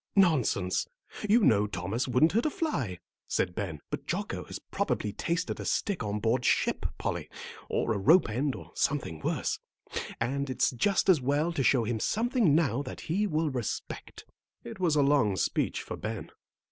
"Nonsense; you know Thomas wouldn't hurt a fly," said Ben. "But Jocko has probably tasted a stick on board ship, Polly, or a rope end, or something worse. And it's just as well to show him something now that he will respect." It was a long speech for Ben.